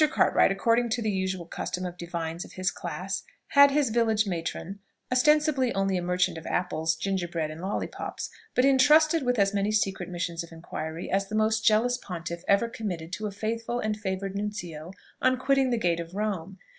Cartwright, according to the usual custom of divines of his class, had his village matron, ostensibly only a merchant of apples, gingerbread, and lollypops, but intrusted with as many secret missions of inquiry as the most jealous pontiff ever committed to a faithful and favoured nuncio on quitting the gates of Rome.